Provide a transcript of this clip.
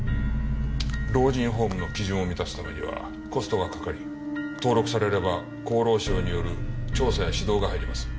老人ホームの基準を満たすためにはコストがかかり登録されれば厚労省による調査や指導が入ります。